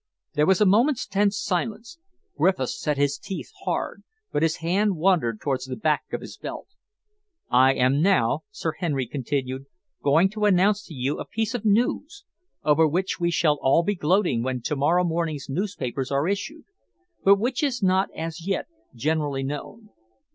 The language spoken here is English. There was a moment's tense silence. Griffiths set his teeth hard, but his hand wandered towards the back of his belt. "I am now," Sir Henry continued, "going to announce to you a piece of news, over which we shall all be gloating when to morrow morning's newspapers are issued, but which is not as yet generally known.